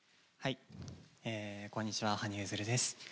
こんにちは、羽生結弦です。